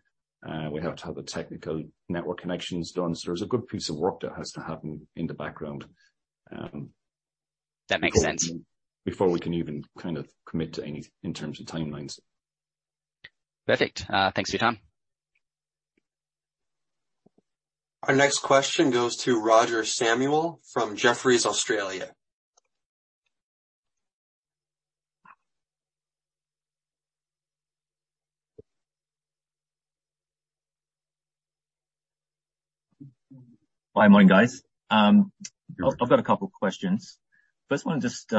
We have to have the technical network connections done. There's a good piece of work that has to happen in the background. That makes sense. Before we can even kind of commit to any in terms of timelines. Perfect. Thanks for your time. Our next question goes to Roger Samuel from Jefferies Australia. Hi, morning, guys. I've got a couple of questions. First one just,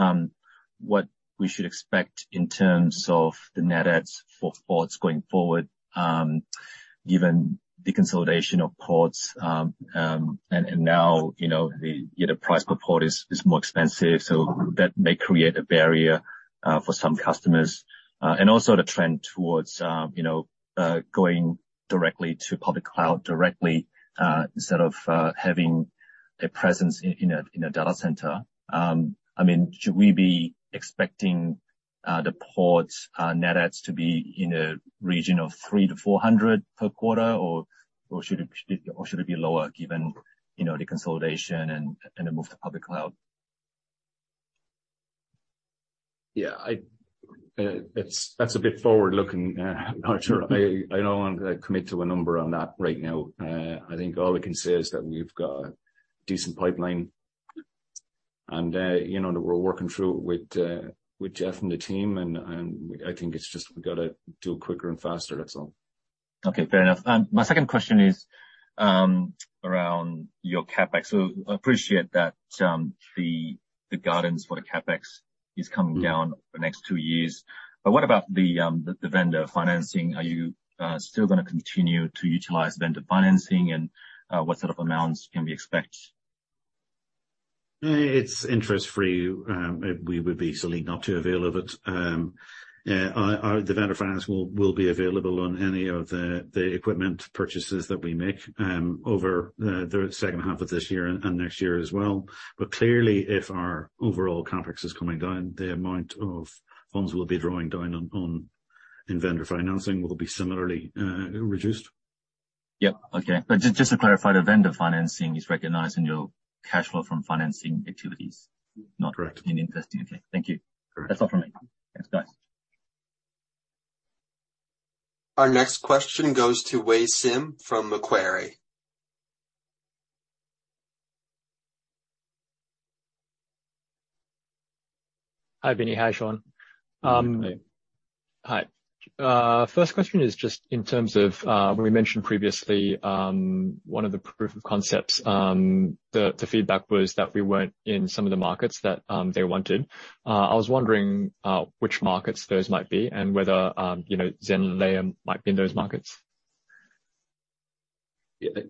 what we should expect in terms of the net adds for ports going forward, given the consolidation of ports, and now, you know, price per port is more expensive, so that may create a barrier for some customers. Also the trend towards, you know, going directly to public cloud directly, instead of having a presence in a data center. I mean, should we be expecting the ports net adds to be in a region of 300-400 per quarter or should it be lower given, you know, the consolidation and the move to public cloud? Yeah. I, it's, that's a bit forward-looking, Roger. I don't wanna commit to a number on that right now. I think all I can say is that we've got a decent pipeline and, you know, that we're working through with Jeff and the team and I think it's just we gotta do it quicker and faster, that's all. Okay. Fair enough. My second question is, around your CapEx. I appreciate that, the guidance for the CapEx is coming down for the next 2 years. What about the vendor financing? Are you still gonna continue to utilize vendor financing and, what sort of amounts can we expect? It's interest free. We would be silly not to avail of it. Our, the vendor finance will be available on any of the equipment purchases that we make, over the second half of this year and next year as well. Clearly, if our overall CapEx is coming down, the amount of funds we'll be drawing down on in vendor financing will be similarly reduced. Yeah. Okay. Just to clarify, the vendor financing is recognized in your cash flow from financing activities? Correct. Not an investing. Okay. Thank you. Correct. That's all from me. Thanks, guys. Our next question goes to Wei Sim from Macquarie. Hi, Vincent. Hi, Sean. Good morning. Hi. First question is just in terms of when you mentioned previously, one of the proof of concepts, the feedback was that we weren't in some of the markets that they wanted. I was wondering which markets those might be and whether, you know, Zenlayer might be in those markets.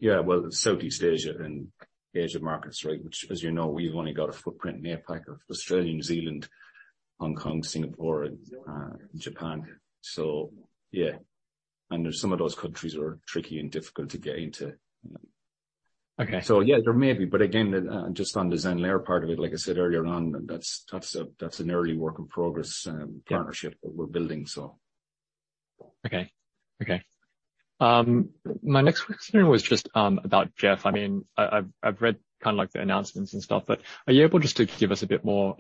Well, Southeast Asia and Asia markets, right. As you know, we've only got a footprint in APAC of Australia, New Zealand, Hong Kong, Singapore, and Japan. Yeah. Some of those countries are tricky and difficult to get into. Okay. Yeah, there may be. Again, just on the Zenlayer part of it, like I said earlier on, that's a, that's an early work in progress. Yeah. partnership that we're building, so. Okay. Okay. My next question was just about Jeff. I mean, I've read kinda like the announcements and stuff, are you able just to give us a bit more,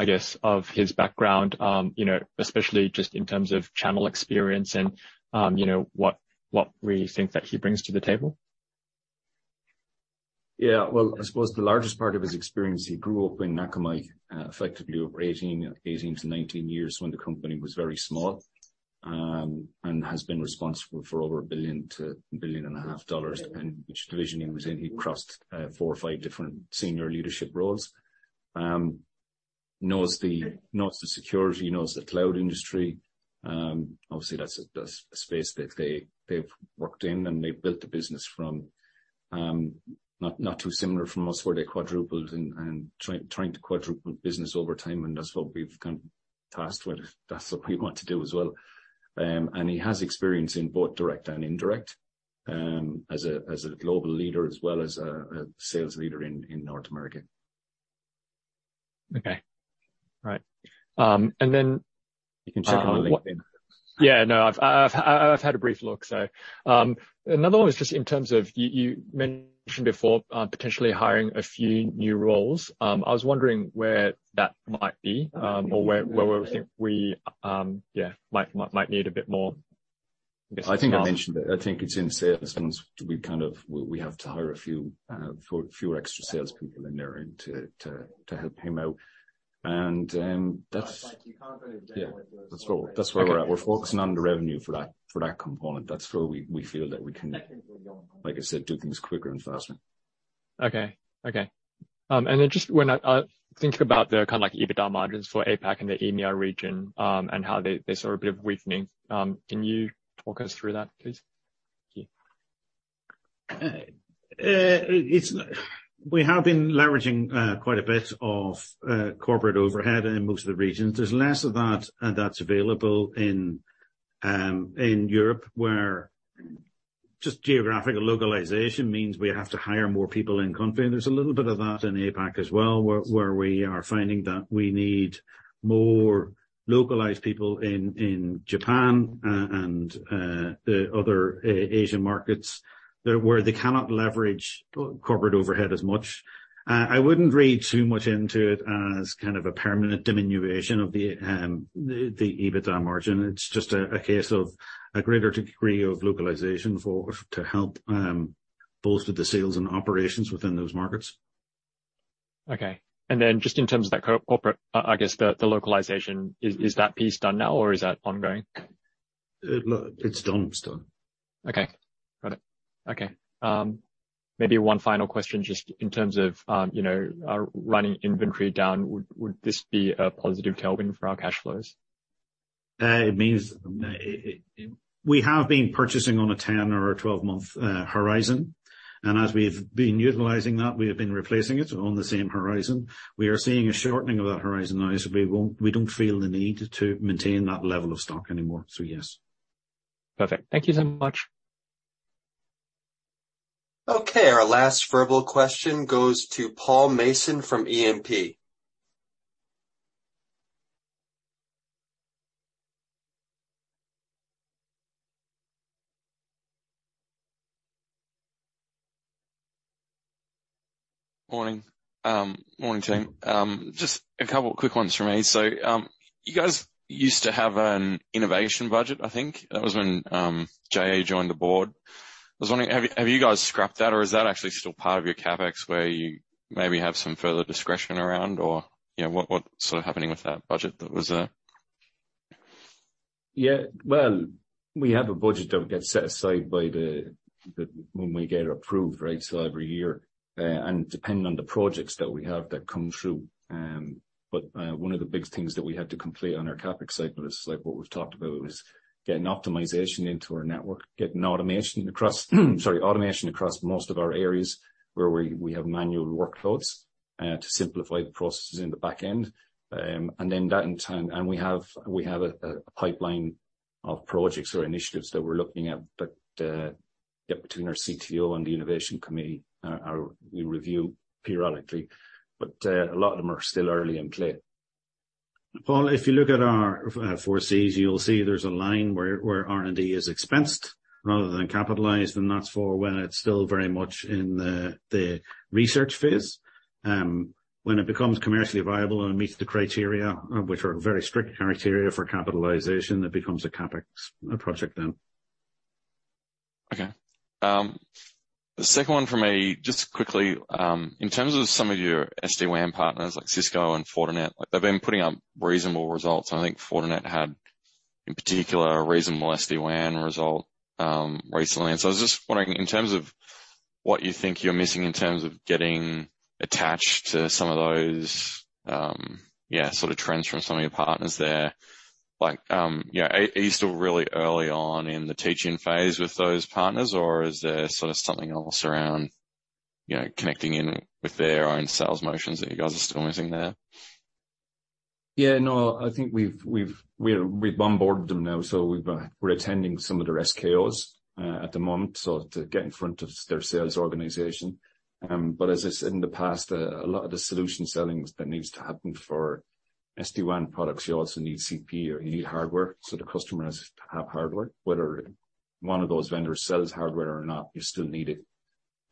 I guess, of his background, you know, especially just in terms of channel experience and, you know, what we think that he brings to the table? Yeah. Well, I suppose the largest part of his experience, he grew up in Cisco, effectively over 18 to 19 years when the company was very small. He has been responsible for over $1 billion to $1.5 billion, depending which division he was in. He crossed four or five different senior leadership roles. He knows the security, knows the cloud industry. Obviously that's a space that they've worked in, and they built the business from, not too similar from us, where they quadrupled and trying to quadruple business over time, and that's what we've kind of tasked with. That's what we want to do as well. He has experience in both direct and indirect, as a global leader as well as a sales leader in North America. Okay. Right. You can check on LinkedIn. Yeah, no, I've had a brief look. Another one was just in terms of you mentioned before, potentially hiring a few new roles. I was wondering where that might be, or where we think we need a bit more, I guess. I think I mentioned it. I think it's in sales since we have to hire a few extra sales people in there and to help him out. Like, you can't really- Yeah. That's all. That's where we're at. We're focusing on the revenue for that component. That's where we feel that we can, like I said, do things quicker and faster. Okay. Okay. Then just when I think about the kind of like EBITDA margins for APAC and the EMEA region, and how they saw a bit of weakening, can you talk us through that, please? Thank you. We have been leveraging quite a bit of corporate overhead in most of the regions. There's less of that that's available in Europe, where just geographical localization means we have to hire more people in country. There's a little bit of that in APAC as well, where we are finding that we need more localized people in Japan and the other Asian markets where they cannot leverage corporate overhead as much. I wouldn't read too much into it as kind of a permanent diminution of the EBITDA margin. It's just a case of a greater degree of localization to help both with the sales and operations within those markets. Okay. Just in terms of that I guess the localization, is that piece done now or is that ongoing? It's done. Okay. Got it. Okay. Maybe one final question, just in terms of, you know, running inventory down, would this be a positive tailwind for our cash flows? It means We have been purchasing on a 10 or a 12-month horizon. As we've been utilizing that, we have been replacing it on the same horizon. We are seeing a shortening of that horizon now, so we don't feel the need to maintain that level of stock anymore. Yes. Perfect. Thank you so much. Okay, our last verbal question goes to Paul Mason from E&P. Morning. Morning, team. Just 2 quick ones for me. You guys used to have an innovation budget, I think. That was when Jay joined the board. I was wondering, have you guys scrapped that or is that actually still part of your CapEx where you maybe have some further discretion around or, you know, what's sort of happening with that budget that was there? Well, we have a budget that would get set aside by the when we get approved, right? Every year. And depending on the projects that we have that come through. One of the big things that we had to complete on our CapEx cycle is like what we've talked about, is getting optimization into our network, getting automation across. Sorry, automation across most of our areas where we have manual workloads to simplify the processes in the back end. And then that in turn. We have a pipeline of projects or initiatives that we're looking at. Between our CTO and the innovation committee, we review periodically, but a lot of them are still early in play. Paul, if you look at our 4Cs, you'll see there's a line where R&D is expensed rather than capitalized, and that's for when it's still very much in the research phase. When it becomes commercially viable and meets the criteria, which are very strict criteria for capitalization, it becomes a CapEx, a project then. Okay. The second one for me, just quickly, in terms of some of your SD-WAN partners, like Cisco and Fortinet, like they've been putting up reasonable results. I think Fortinet had, in particular, a reasonable SD-WAN result recently. I was just wondering in terms of what you think you're missing in terms of getting attached to some of those, yeah, sort of trends from some of your partners there. Like, you know, are you still really early on in the teaching phase with those partners or is there sort of something else around, you know, connecting in with their own sales motions that you guys are still missing there? Yeah, no, I think we've onboarded them now, we're attending some of their SKOs at the moment to get in front of their sales organization. As I said in the past, a lot of the solution selling that needs to happen for SD-WAN products, you also need CPE or you need hardware. The customer has to have hardware. Whether one of those vendors sells hardware or not, you still need it.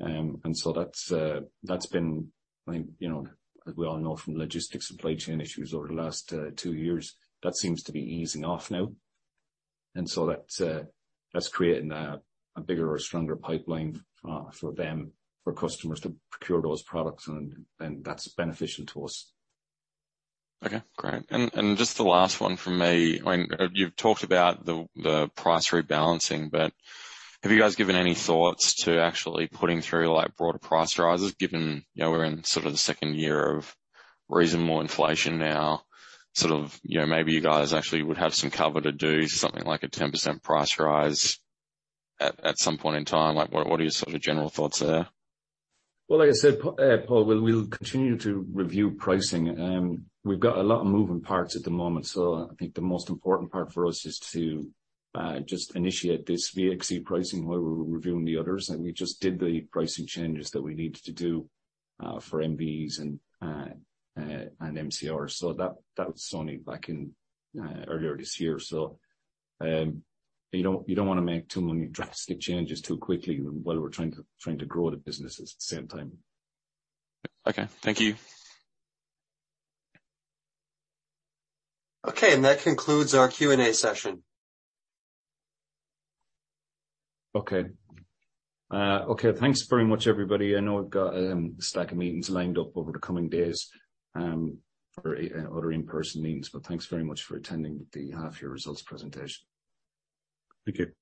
That's been, I think, you know, as we all know from logistics supply chain issues over the last 2 years, that seems to be easing off now. That's creating a bigger or stronger pipeline for them, for customers to procure those products, and that's beneficial to us. Okay, great. Just the last one from me. I mean, you've talked about the price rebalancing, have you guys given any thoughts to actually putting through like broader price rises given, you know, we're in sort of the second year of reasonable inflation now? Sort of, you know, maybe you guys actually would have some cover to do something like a 10% price rise at some point in time. Like, what are your sort of general thoughts there? Well, like I said, Paul, we'll continue to review pricing. We've got a lot of moving parts at the moment, so I think the most important part for us is to just initiate this VXC pricing while we're reviewing the others. Like we just did the pricing changes that we needed to do for MVEs and MCR. That was only back in earlier this year. You don't wanna make too many drastic changes too quickly while we're trying to grow the business at the same time. Okay. Thank you. Okay, that concludes our Q&A session. Okay. Okay. Thanks very much, everybody. I know I've got a stack of meetings lined up over the coming days for other in-person meetings, but thanks very much for attending the half year results presentation. Thank you.